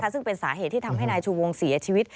ซึ่งเป็นสาเหตุที่ทำให้นายชูวงเสียชีวิต